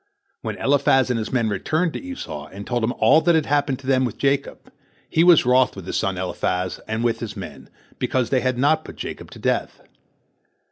When Eliphaz and his men returned to Esau, and told him all that had happened to them with Jacob, he was wroth with his son Eliphaz and with his men, because they had not put Jacob to death.